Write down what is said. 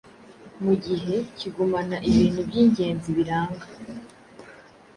mugihe kigumana ibintu byingenzi biranga